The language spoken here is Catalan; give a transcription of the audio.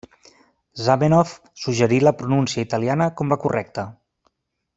Zamenhof suggerí la pronúncia italiana com la correcta.